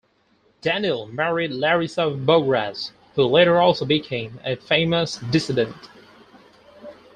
Daniel married Larisa Bogoraz, who later also became a famous dissident.